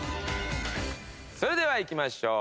それではいきましょう。